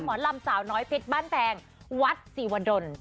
หมอนลำสาวน้อยเผ็ดบ้านแปงวัดศรีวรรณ